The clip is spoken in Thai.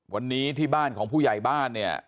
วันนี้ที่บ้านของผู้ใหญ่บ้านเนี่ย